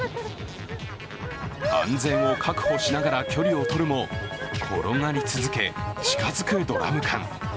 安全を確保しながら距離をとるも転がり続け、近づくドラム缶。